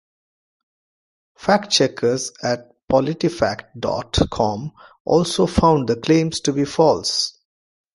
Fact checkers at PolitiFact dot com also found the claims to be false.